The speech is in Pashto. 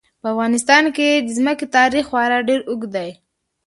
په افغانستان کې د ځمکه تاریخ خورا ډېر اوږد دی.